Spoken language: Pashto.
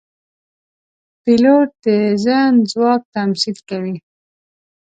پیلوټ د ذهن ځواک تمثیل کوي.